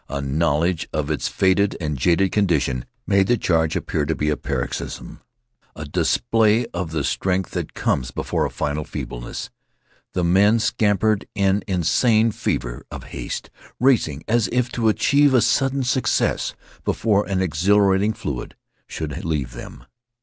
A knowledge of its faded and jaded condition made the charge appear like a paroxysm, a display of the strength that comes before a final feebleness. The men scampered in insane fever of haste, racing as if to achieve a sudden success before an exhilarating fluid should leave them.